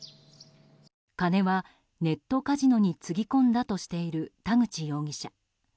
金はネットカジノにつぎ込んだとしている田口容疑者。